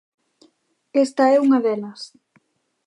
Esta é unha delas.